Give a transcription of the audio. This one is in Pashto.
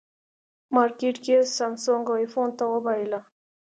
مارکېټ یې سامسونګ او ایفون ته وبایله.